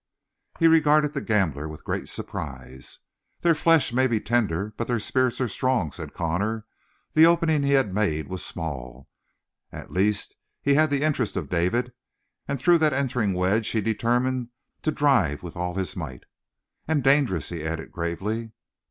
He regarded the gambler with great surprise. "Their flesh may be tender, but their spirits are strong," said Connor. The opening he had made was small. At least he had the interest of David, and through that entering wedge he determined to drive with all his might. "And dangerous," he added gravely.